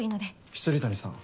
未谷さん。